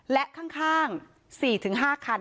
และข้าง๔๕คัน